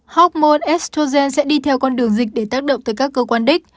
hormone estrogen sẽ đi theo con đường dịch để tác động tới các cơ quan đích